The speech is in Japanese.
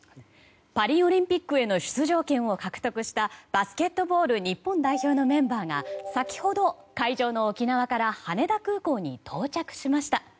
パリオリンピックへの出場権を獲得したバスケットボール日本代表のメンバーが先ほど会場の沖縄から羽田空港に到着しました。